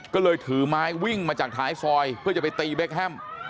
ก็เลยถือไม้วิ่งมาจากท้ายซอยเพื่อจะไปตีเบคแฮม